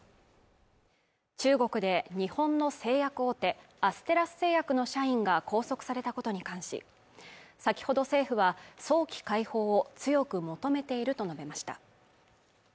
中国で日本の製薬大手アステラス製薬の社員が拘束されたことに関し先ほど政府は早期解放を強く求めていると述べました。